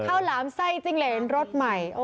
หลามไส้จิ้งเหรนรสใหม่